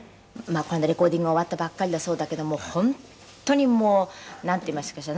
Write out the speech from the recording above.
レコーディング終わったばっかりだそうだけども本当に、もうなんていいますかしら。